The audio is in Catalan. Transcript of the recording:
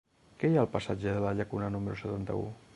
Què hi ha al passatge de la Llacuna número setanta-u?